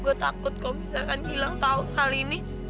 gue takut kalo misalkan gilang tau hal ini